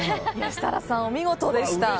設楽さん、お見事でした。